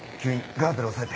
ガーゼで押さえて。